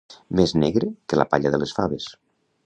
Més negre que la palla de les faves.